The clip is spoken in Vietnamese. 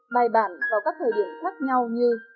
bài bản vào các thời điểm khác nhau như